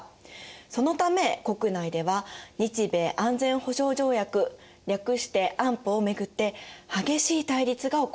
そのため国内では日米安全保障条約略して「安保」を巡って激しい対立が起こります。